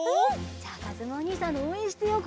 じゃあかずむおにいさんのおうえんしてよう